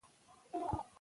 تحریف د عربي ژبي ټکی دﺉ.